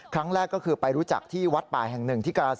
แรกก็คือไปรู้จักที่วัดป่าแห่งหนึ่งที่กราศ